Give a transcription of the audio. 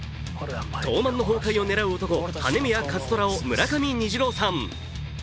トーマンの崩壊を狙う男羽宮一虎を村上虹郎さん。